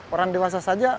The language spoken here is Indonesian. orang dewasa saja